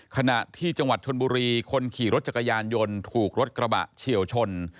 ขณะที่จังหวัดชนบุรีคนขี่รถจักรยานยนต์ถูกรถกระบะเฉียวชน